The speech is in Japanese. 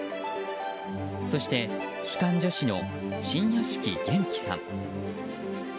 そして機関助士の新屋敷元気さん。